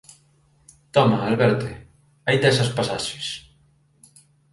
Toma, Alberte, aí tes as pasaxes.